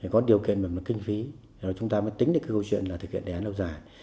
có điều kiện mà mà kinh phí chúng ta mới tính đến câu chuyện là thực hiện đề án lâu dài